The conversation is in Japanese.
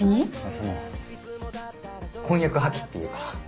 その婚約破棄っていうか。